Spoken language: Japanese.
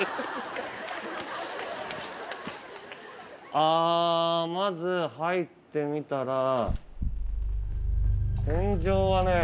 あまず入ってみたら天井はね